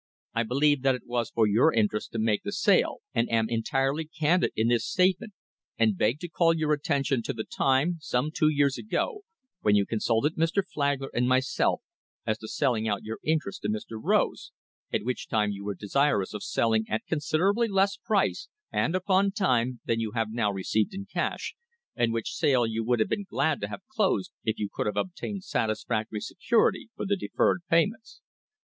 I believe that it was for your interest to make the sale, and am entirely candid in this statement, and beg to call your attention to the time, some two years ago, when you consulted Mr. Flagler and myself as to selling out your interests to Mr. Rose, at which time you were desirous of selling at considerably less price, and upon time, than you have now received in cash, and which sale you would have been glad to have closed if you could have obtained satisfactory security for the deferred payments.